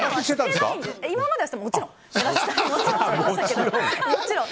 今まではしていました、もちろん。